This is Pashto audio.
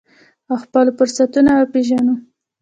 او خپل فرصتونه وپیژنو.